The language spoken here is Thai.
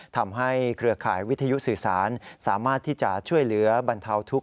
เครือข่ายวิทยุสื่อสารสามารถที่จะช่วยเหลือบรรเทาทุกข